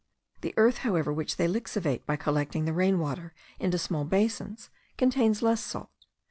The earth, however, which they lixivate by collecting the rain water into small basins, contains less salt.